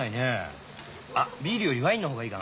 あっビールよりワインの方がいいかな？